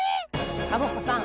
⁉サボ子さん